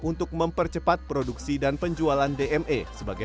untuk mempercepat produksi dan penjualan dme sebagai